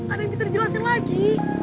ada yang bisa dijelasin lagi